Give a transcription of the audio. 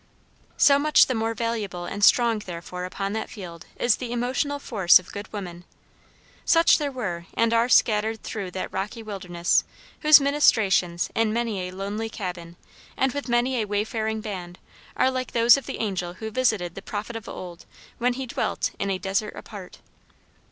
So much the more valuable and stronger therefore upon that field is the emotional force of good women. Such there were and are scattered through that rocky wilderness whose ministrations, in many a lonely cabin, and with many a wayfaring band, are like those of the angel who visited the prophet of old when he dwelt "in a desert apart".